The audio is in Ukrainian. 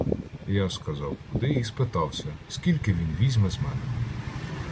Я сказав куди і спитався, скільки він візьме з мене.